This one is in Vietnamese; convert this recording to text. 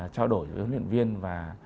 trao đổi với huấn luyện viên và